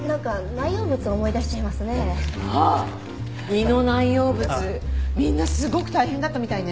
胃の内容物みんなすごく大変だったみたいね。